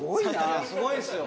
すごいんですよ。